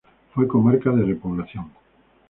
Fue comarca de repoblación.